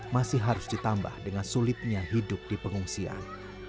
masih harus ditambah dengan sulitnya hidup di pengungsian